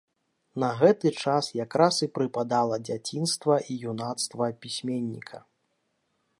На гэты час якраз і прыпадала дзяцінства і юнацтва пісьменніка.